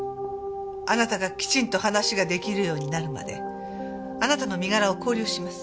あなたがきちんと話が出来るようになるまであなたの身柄を拘留します。